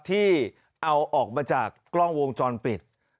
ที่เอาออกมาจากกล้องวงจรปิด